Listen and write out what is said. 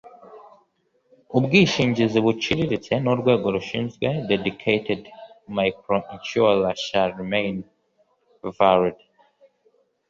ubwishingizi buciriritse n Urwego rushinzwe dedicated microinsurer shall remain valid